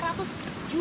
kita cuci buka dulu